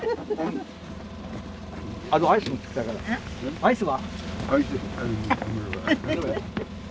アイスは？